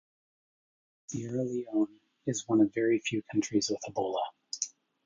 Sierra Leone is one of very few countries with ebola.